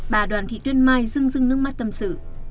bà đoàn thị tuyên mai rưng rưng nước mắt tâm sự